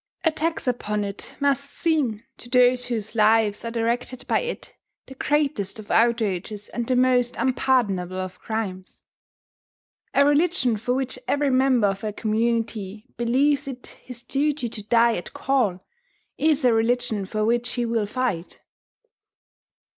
Attacks upon it must seem, to those whose lives are directed by it, the greatest of outrages and the most unpardonable of crimes. A religion for which every member of a community believes it his duty to die at call, is a religion for which he will fight.